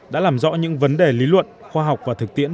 đã làm rõ những vấn đề lý luận khoa học và thực tiễn